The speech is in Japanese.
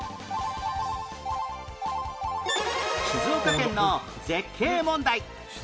静岡県の絶景問題